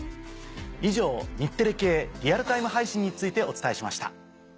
以上日テレ系リアルタイム配信についてお伝えしました。